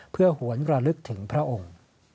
เพื่อหวนระลึกถึงพระองค์